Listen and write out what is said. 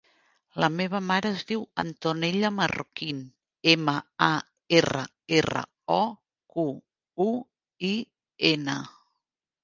La meva mare es diu Antonella Marroquin: ema, a, erra, erra, o, cu, u, i, ena.